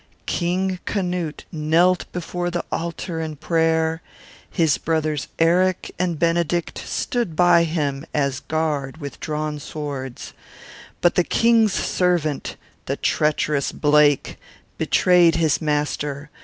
King Canute knelt before the altar in prayer; his brothers Eric and Benedict stood by him as a guard with drawn swords; but the King's servant, the treacherous Blake, betrayed his master.